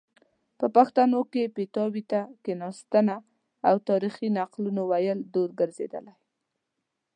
په پښتانو کې پیتاوي ته کیناستنه او تاریخي نقلونو ویل دود ګرځیدلی